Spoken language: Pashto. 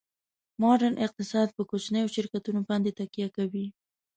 ماډرن اقتصاد په کوچنیو شرکتونو باندې تکیه کوي